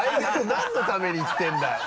なんのために行ってるんだよ。